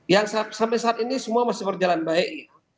yang sampai saat ini semua masih berjalan baik